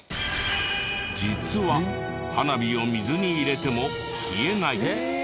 実は花火を水に入れても消えない。